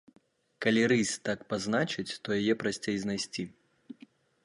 Калі рысь так пазначыць, то яе прасцей знайсці.